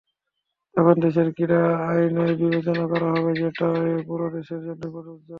তখন দেশের ক্রীড়া আইনই বিবেচনা করা হবে, যেটি পুরো দেশের জন্যই প্রযোজ্য।